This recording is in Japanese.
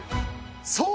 そう。